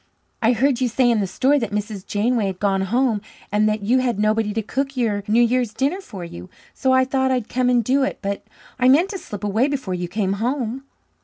"I heard you say in the store that Mrs. Janeway had gone home and that you had nobody to cook your New Year's dinner for you. So I thought I'd come and do it, but I meant to slip away before you came home."